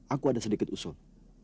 aku ada sedikit usul